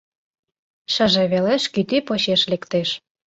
Шыже велеш кӱтӱ почеш лектеш.